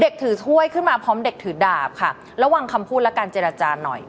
ถือถ้วยขึ้นมาพร้อมเด็กถือดาบค่ะระวังคำพูดและการเจรจาหน่อย